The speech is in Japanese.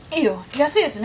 安いやつね。